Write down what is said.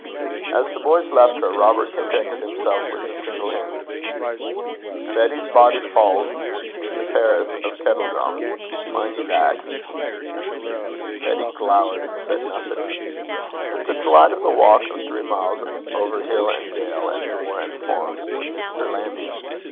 As the boys left her, Robert contented himself with the single hint: 'Betty, Bodyfauld 's i' the perris o' Kettledrum. Min' ye that.' Betty glowered and said nothing. But the delight of the walk of three miles over hill and dale and moor and farm to Mr. Lammie's!